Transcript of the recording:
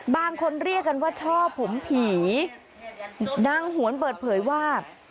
บางคนเรียกกันว่าช่อผมผีนางหวนเปิดเผยว่า